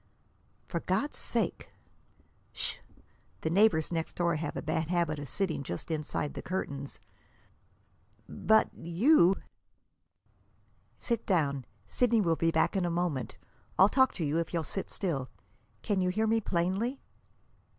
"For God's sake!" "Sh! The neighbors next door have a bad habit of sitting just inside the curtains." "But you!" "Sit down. Sidney will be back in a moment. I'll talk to you, if you'll sit still. Can you hear me plainly?"